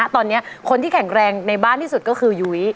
ตอนนี้คนที่แข็งแรงในบ้านที่สุดก็คือยุ้ย